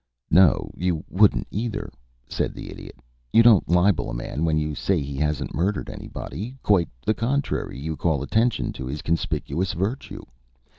"No, you wouldn't, either," said the Idiot. "You don't libel a man when you say he hasn't murdered anybody. Quite the contrary, you call attention to his conspicuous virtue.